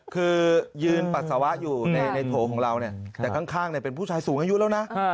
คือยืนปัสสาวะอยู่ในโถของเราเนี่ยแต่ข้างเป็นผู้ชายสูงอายุแล้วนะ